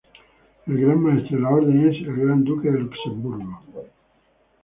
El gran maestre de la orden es el Gran Duque de Luxemburgo.